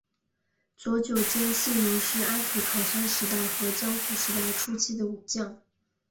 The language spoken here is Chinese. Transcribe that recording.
佐久间信荣是安土桃山时代和江户时代初期的武将。